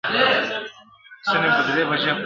له ګوښې یې ښایسته مرغۍ څارله ..